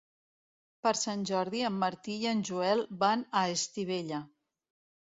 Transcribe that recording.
Per Sant Jordi en Martí i en Joel van a Estivella.